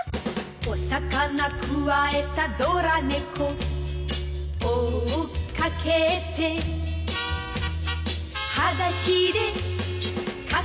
「お魚くわえたドラ猫」「追っかけて」「はだしでかけてく」